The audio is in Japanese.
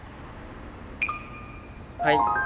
はい。